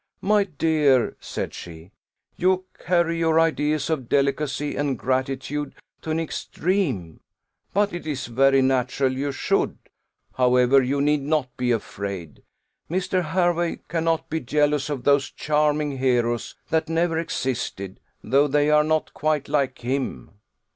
"My dear," said she, "you carry your ideas of delicacy and gratitude to an extreme; but it is very natural you should: however, you need not be afraid; Mr. Hervey cannot be jealous of those charming heroes, that never existed, though they are not quite like him."